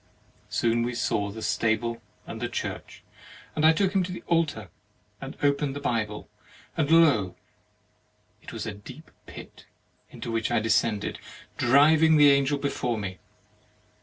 Soon we saw the stable and the church, and I took him to the altar and opened the Bible, and lo! it was a deep pit, into which I descended, driving the Angel before me.